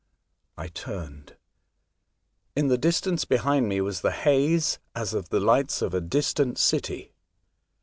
I turned. In the distance behind me was the haze as of the lights of a distant city.